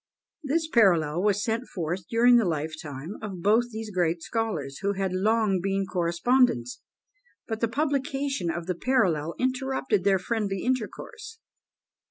This parallel was sent forth during the lifetime of both these great scholars, who had long been correspondents, but the publication of the parallel interrupted their friendly intercourse.